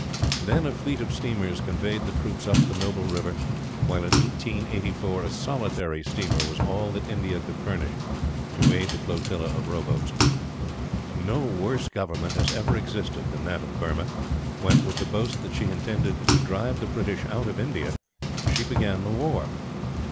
Then a fleet of steamers conveyed the troops up the noble river; while in 1824 a solitary steamer was all that India could furnish, to aid the flotilla of rowboats. No worse government has ever existed than that of Burma when, with the boast that she intended to drive the British out of India, she began the war.